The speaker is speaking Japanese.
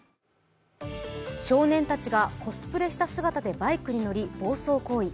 少年たちがコスプレした姿でバイクに乗り暴走行為。